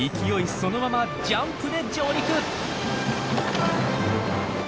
そのままジャンプで上陸！